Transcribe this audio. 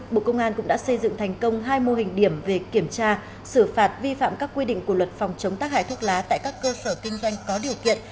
bộ công an cũng đã xây dựng thành công hai mô hình điểm của luật phòng chống tác hại thuốc lá tại các cơ sở kinh doanh có điều kiện